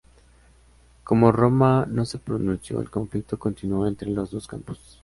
Como Roma no se pronunció, el conflicto continuó entre los dos campos.